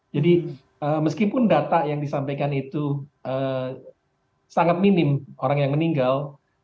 meskipun data yang disampaikan itu sangat minim orang yang meninggal